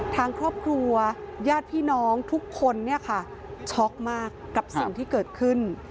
ทางครอบครัวญาติพี่น้องทุกคนเนี่ยค่ะช็อกมากกับสิ่งที่เกิดขึ้น